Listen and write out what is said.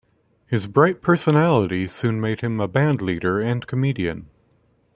His bright personality soon made him a bandleader and comedian.